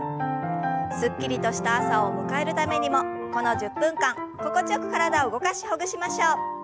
すっきりとした朝を迎えるためにもこの１０分間心地よく体を動かしほぐしましょう。